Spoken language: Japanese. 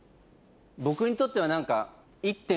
僕にとっては何か。